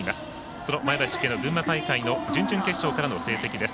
その前橋育英の群馬大会の準々決勝からの成績です。